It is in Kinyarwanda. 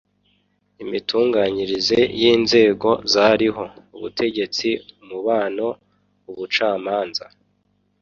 Imitunganyirize y'inzego zariho: (ubutegetsi, umubano, ubucamanza).